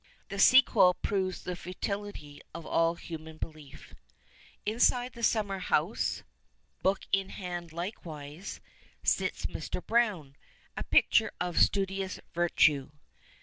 The sequel proves the futility of all human belief. Inside the summer house; book in hand likewise, sits Mr. Browne, a picture of studious virtue.